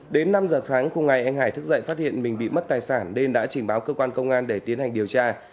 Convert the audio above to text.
đến năm giờ sáng cùng ngày anh hải thức dậy phát hiện mình bị mất tài sản nên đã trình báo cơ quan công an để tiến hành điều tra